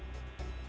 di kota kota besar